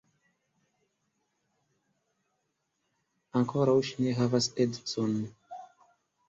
Ankoraŭ ŝi ne havas edzon.